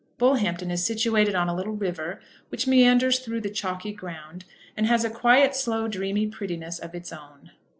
Bullhampton is situated on a little river, which meanders through the chalky ground, and has a quiet, slow, dreamy prettiness of its own.